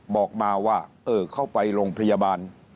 บอกมาว่าเออเข้าไปโรงพยาบาล